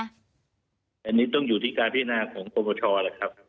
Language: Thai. อันนี้ต้องอยู่ที่การพิจารณาของคมประชานะครับ